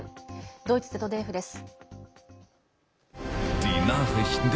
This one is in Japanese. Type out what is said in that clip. ドイツＺＤＦです。